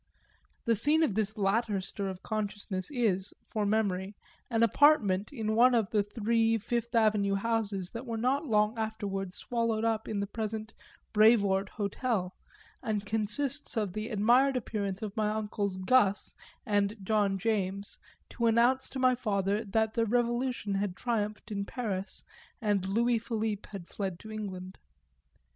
The scene of this latter stir of consciousness is, for memory, an apartment in one of the three Fifth Avenue houses that were not long afterward swallowed up in the present Brevoort Hotel, and consists of the admired appearance of my uncles "Gus" and John James to announce to my father that the Revolution had triumphed in Paris and Louis Philippe had fled to England.